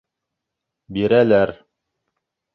Бирәләр!